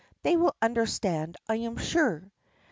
They will understand, I am sure."